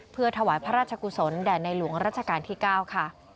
เพื่อถวายพระราชกุศลแด่ในหลวงรัชกาลที่๙ค่ะ